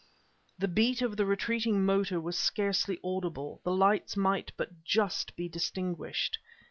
The beat of the retreating motor was scarcely audible; the lights might but just be distinguished.